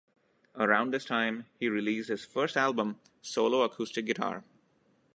Around this time, he released his first album, "Solo Acoustic Guitar".